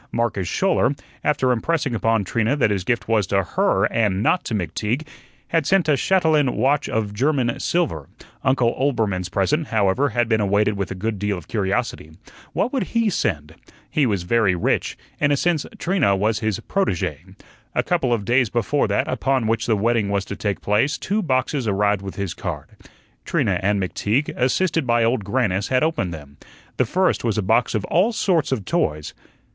Marcus Schouler after impressing upon Trina that his gift was to HER, and not to McTeague had sent a chatelaine watch of German silver; Uncle Oelbermann's present, however, had been awaited with a good deal of curiosity. What would he send? He was very rich; in a sense Trina was his protege. A couple of days before that upon which the wedding was to take place, two boxes arrived with his card. Trina and McTeague, assisted by Old Grannis, had opened them. The first was a box of all sorts of toys.